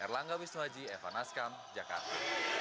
erlangga wisnuaji eva naskam jakarta